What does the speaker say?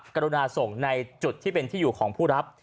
กรุณาส่งในจุดที่เป็นที่อยู่ของผู้รับ